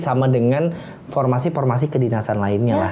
sama dengan formasi formasi kedinasan lainnya lah